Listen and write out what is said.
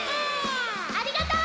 ありがとう！